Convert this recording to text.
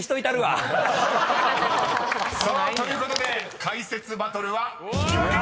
［さあということで解説バトルは引き分けでした！］